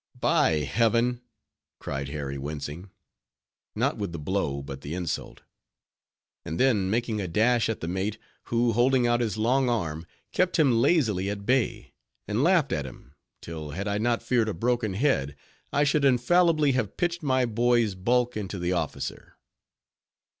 "By heaven!" cried Harry, wincing—not with the blow, but the insult: and then making a dash at the mate, who, holding out his long arm, kept him lazily at bay, and laughed at him, till, had I not feared a broken head, I should infallibly have pitched my boy's bulk into the officer.